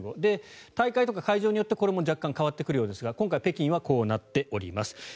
大会とか会場によって、これも若干変わってくるようですが今回、北京はこうなっております。